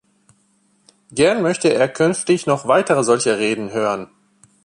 Gern möchte er künftig noch weitere solche Reden hören.